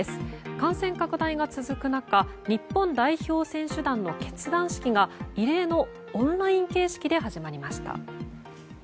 感染拡大が続く中日本代表選手団の結団式が異例のオンライン形式で始まりました。